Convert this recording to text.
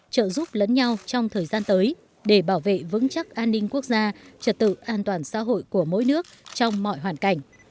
trợ giúp lẫn nhau trong thời gian tới để bảo vệ vững chắc an ninh quốc gia trật tự an toàn xã hội của mỗi nước trong mọi hoàn cảnh